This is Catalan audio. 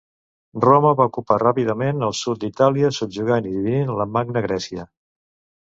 Roma va ocupar ràpidament el sud d'Itàlia, subjugant i dividint la Magna Grècia.